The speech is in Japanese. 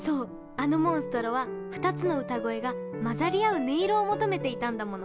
あのモンストロは２つの歌声がまざりあう音色を求めていたんだもの。